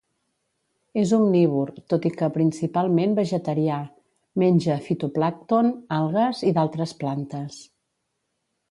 És omnívor, tot i que, principalment, vegetarià: menja fitoplàncton, algues i d'altres plantes.